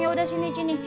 ya udah sini sini